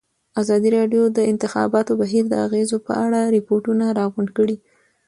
ازادي راډیو د د انتخاباتو بهیر د اغېزو په اړه ریپوټونه راغونډ کړي.